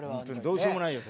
どうしようもないよ